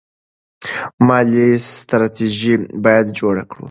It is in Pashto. مالي ستراتیژي باید جوړه کړو.